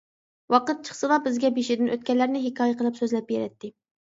ۋاقىت چىقسىلا بىزگە بېشىدىن ئۆتكەنلەرنى ھېكايە قىلىپ سۆزلەپ بېرەتتى.